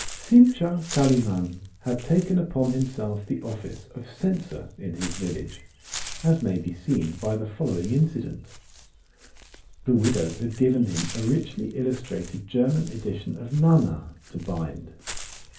Simcha Kalimann had taken upon himself the office of censor in his village, as may be seen by the following incident. The widow had given him a richly illustrated German edition of "Nana" to bind.